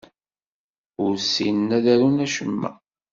Ur ssinen ad arun acemma.